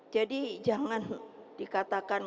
jadi jangan dikatakan